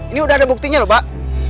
ini udah ada buktinya lho pak